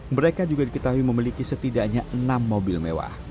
mereka juga diketahui memiliki setidaknya enam mobil mewah